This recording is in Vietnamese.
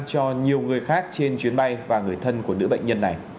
cho nhiều người khác trên chuyến bay và người thân của nữ bệnh nhân này